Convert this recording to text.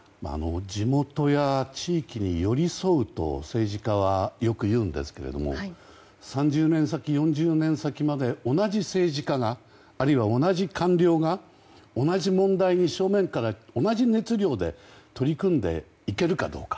地元や地域に寄り添うと政治家はよく言うんですが３０年先、４０年先まで同じ政治家があるいは同じ官僚が同じ問題に正面から同じ熱量で取り組んでいけるかどうか。